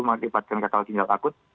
mengakibatkan kekal ginjal akut